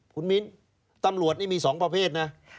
คุณมิ้นตำรวจนี่มี๒ประเภทนะ